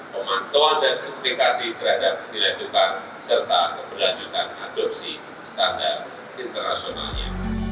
pemantauan dan implikasi terhadap nilai tukar serta keberlanjutan adopsi standar internasionalnya